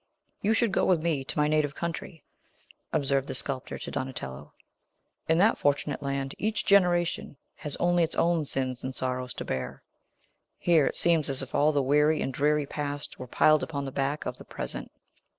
"You should go with me to my native country," observed the sculptor to Donatello. "In that fortunate land, each generation has only its own sins and sorrows to bear. Here, it seems as if all the weary and dreary Past were piled upon the back of the Present.